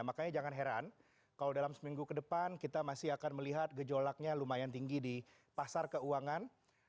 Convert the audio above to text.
makanya jangan heran kalau dalam seminggu ke depan kita masih akan melihat gejolaknya lumayan tinggi di pasar keuangan